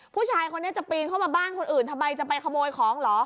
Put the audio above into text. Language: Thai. ผู้ชายคนนี้จะปีนเข้ามาบ้านคนอื่นทำไมจะไปขโมยของเหรอ